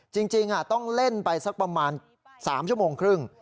จริงต้องเล่นไปสักประมาณ๓ชั่วโมงครึ่ง